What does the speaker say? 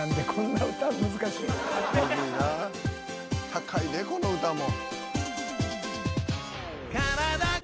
高いでこの歌も。